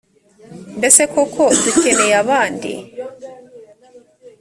mbese koko dukeneye abandi